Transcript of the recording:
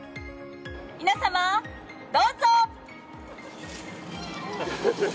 皆様、どうぞ！